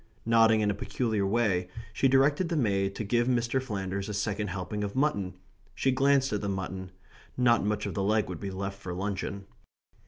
Nodding in a peculiar way, she directed the maid to give Mr. Flanders a second helping of mutton. She glanced at the mutton. Not much of the leg would be left for luncheon.